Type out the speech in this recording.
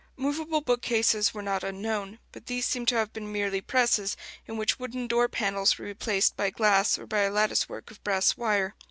Movable bookcases were not unknown, but these seem to have been merely presses in which wooden door panels were replaced by glass or by a lattice work of brass wire.